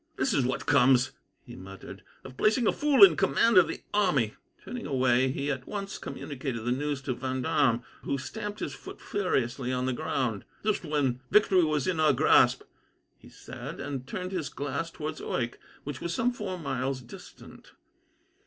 "This is what comes," he muttered, "of placing a fool in command of the army." Turning away, he at once communicated the news to Vendome, who stamped his foot furiously on the ground. "Just when victory was in our grasp," he said, and turned his glass towards Oycke, which was some four miles distant.